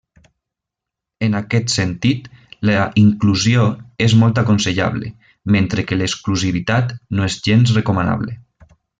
En aquest sentit, la inclusió és molt aconsellable, mentre que l'exclusivitat no és gens recomanable.